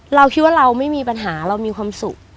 เราคิดว่าเราไม่มีปัญหาเรามีความสุข